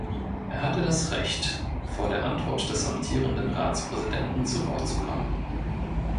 Er hatte das Recht, vor der Antwort des amtierenden Ratspräsidenten zu Wort zu kommen.